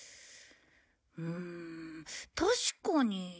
うーん確かに。